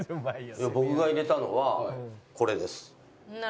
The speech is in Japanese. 僕が入れたのはこれです。